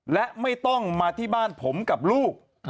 และไม่ต้องมาที่บ้านผมกับลูก